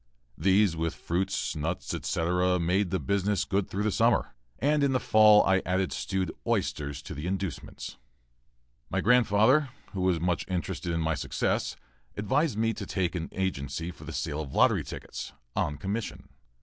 These, with fruit, nuts, etc., made the business good through the summer, and in the fall I added stewed oysters to the inducements. My grandfather, who was much interested in my success, advised me to take an agency for the sale of lottery tickets, on commission.